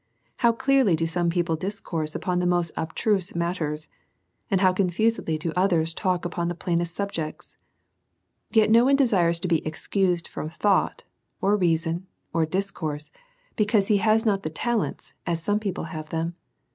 How clearly do some people discourse upon the most abtruse matters, and how confusedly do others talk upon the plainest subjects ? Yet no one desires to be excused from thought, or reason, or discourse, because he has not these talents as some people have them.